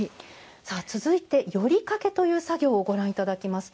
続いて、撚りかけという作業をご覧いただきます。